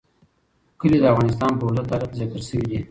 کلي د افغانستان په اوږده تاریخ کې ذکر شوی دی.